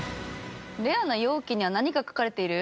レアな容器には何が書かれている？